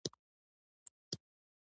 خټکی د وجود تودوخه کموي.